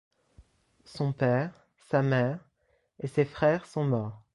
Son père, sa mère et ses frères sont morts.